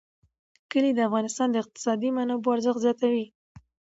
کلي د افغانستان د اقتصادي منابعو ارزښت زیاتوي.